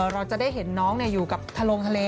เราจะได้เห็นน้องอยู่กับทะลงทะเล